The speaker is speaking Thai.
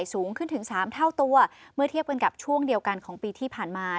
สูงขึ้นถึงสามเท่าตัวเมื่อเทียบกันกับช่วงเดียวกันของปีที่ผ่านมา